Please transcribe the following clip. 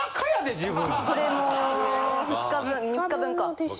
これも２日分３日分か。